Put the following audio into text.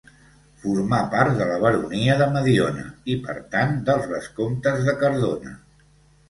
Formà part de la baronia de Mediona i per tant dels vescomtes de Cardona.